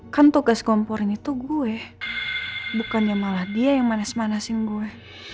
kan tugas ngomporin itu gue bukannya malah dia yang manes manesin gue